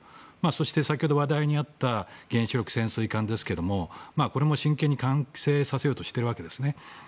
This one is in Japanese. そして、先ほど話題にあった原子力潜水艦ですけどもこれも真剣に完成させようとしているわけですね。